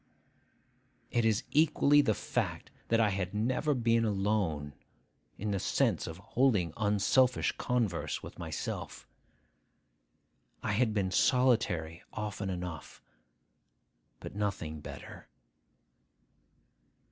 It is equally the fact that I had never been alone, in the sense of holding unselfish converse with myself. I had been solitary often enough, but nothing better.